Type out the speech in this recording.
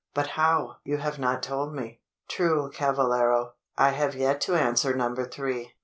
"But how? you have not told me " "True, cavallero! I have yet to answer number three.